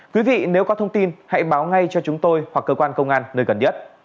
quý vị nếu có thông tin hãy báo ngay cho chúng tôi hoặc cơ quan công an nơi gần nhất